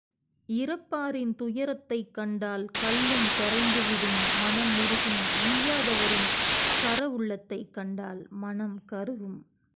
இரப்பாரின் துயரத்தைக் கண்டால் கல்லும் கரைந்து விடும் மனம் உருகும் ஈயாதவரின் கரவுள்ளத்தைக் கண்டால் மனம் கருகும்.